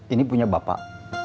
ini punya bapak